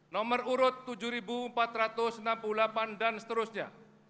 nomor urut tujuh empat ratus enam puluh delapan dan seterusnya